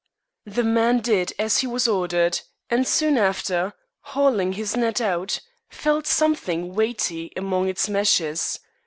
The man did as he was ordered, and soon after, hauling his net out, felt something weighty among its meshes.